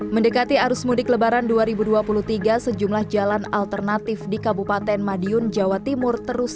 mendekati arus mudik lebaran dua ribu dua puluh tiga sejumlah jalan alternatif di kabupaten madiun jawa timur terus